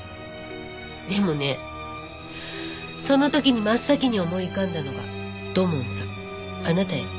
でもねその時に真っ先に思い浮かんだのが土門さんあなたよ。